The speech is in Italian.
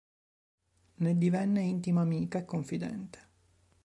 Ne divenne intima amica e confidente.